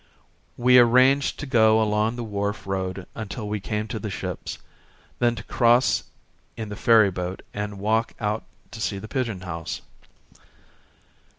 We arranged to go along the Wharf Road until we came to the ships, then to cross in the ferryboat and walk out to see the Pigeon House.